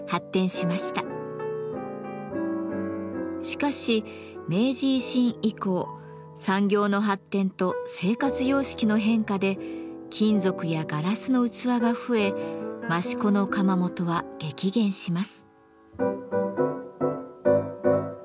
しかし明治維新以降産業の発展と生活様式の変化で金属やガラスの器が増え益子の窯元は激減します。